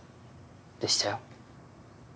でしたよ。